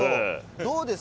どうですか？